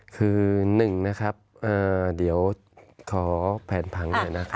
คือ๑นะครับเดี๋ยวขอแผนผังหน่อยนะครับ